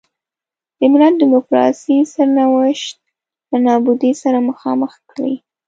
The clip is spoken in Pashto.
د ملت د ډیموکراسۍ سرنوشت له نابودۍ سره مخامخ کړي.